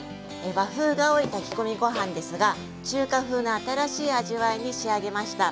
和風が多い炊き込みご飯ですが中華風な新しい味わいに仕上げました。